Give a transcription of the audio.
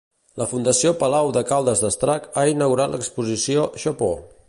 La Fundació Palau de Caldes d'Estrac ha inaugurat l'exposició Chapeau!